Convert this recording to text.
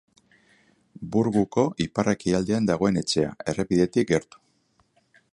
Burguko ipar-ekialdean dagoen etxea, errepidetik gertu.